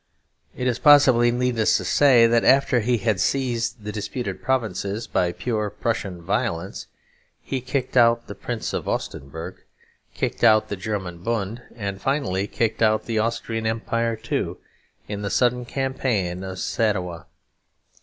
It is possibly needless to say that after he had seized the disputed provinces by pure Prussian violence, he kicked out the Prince of Augustenberg, kicked out the German Bund, and finally kicked out the Austrian Empire too, in the sudden campaign of Sadowa.